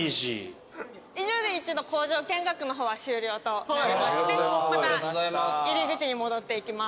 以上で工場見学の方は終了となりましてまた入り口に戻っていきます。